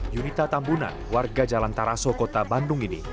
yunita tambunan warga jalan taraso kota bandung ini